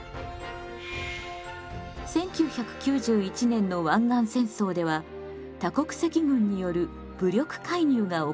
１９９１年の湾岸戦争では多国籍軍による武力介入が行われました。